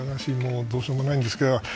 どうしようもないんですけども。